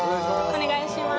お願いします。